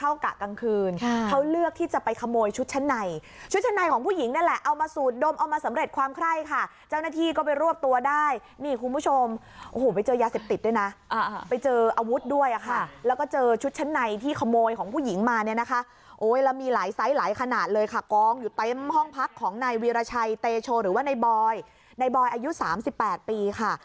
วีรชัยเตโชหรือว่าในบอยในบอยอายุสามสิบแปดปีค่ะ